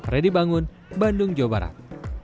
reddy bangun bandung jawa barat